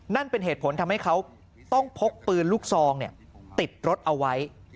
นั่นเป็นเหตุผลทำให้เขาต้องพกปืนลูกซองติดรถเอาไว้